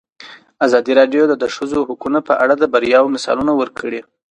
ازادي راډیو د د ښځو حقونه په اړه د بریاوو مثالونه ورکړي.